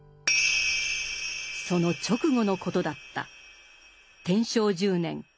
その直後のことだった。